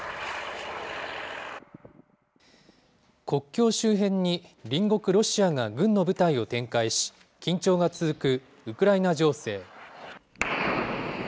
国境周辺に隣国ロシアが軍の部隊を展開し、緊張が続くウクライナ情勢。